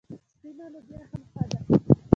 سپینه لوبیا هم ښه ده.